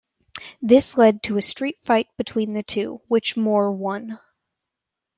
This led to a street fight between the two, which Moore won.